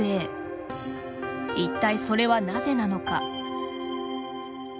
一体それはなぜなのか。